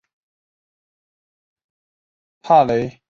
帕雷德地区穆伊隆为政府驻地。